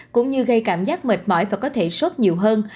cũng như gây cảm giác mệt mỏi và có thể sốt nhiều hơn